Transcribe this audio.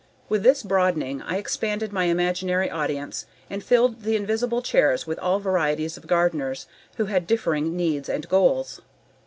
With this broadening, I expanded my imaginary audience and filled the invisible chairs with all varieties of gardeners who had differing needs and goals.